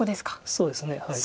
そうですねはい。